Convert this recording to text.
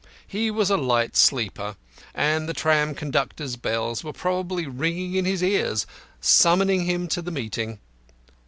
He was a light sleeper, and the tram conductors' bells were probably ringing in his ears, summoning him to the meeting.